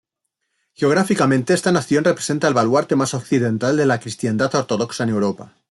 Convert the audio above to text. Geográficamente esta nación representa el baluarte más occidental de la cristiandad ortodoxa en Europa.